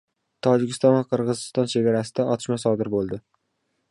Tojikiston va Qirg‘iziston chegarasida otishma sodir bo‘ldi